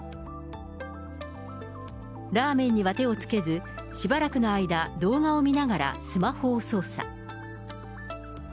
ラーメンには手をつけず、しばらくの間、動画を見ながらスマホを操作。